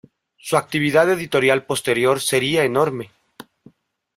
Su actividad editorial posterior sería enorme.